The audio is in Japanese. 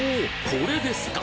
これですか。